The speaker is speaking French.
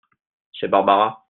C'est Barbara.